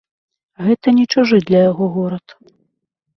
Гэта не чужы для яго горад.